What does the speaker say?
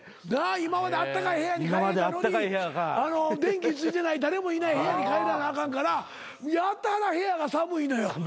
今まであったかい部屋に帰れたのに電気ついてない誰もいない部屋に帰らなあかんからやたら部屋が寒いのよ。